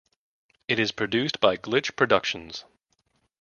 It is produced by Glitch Productions.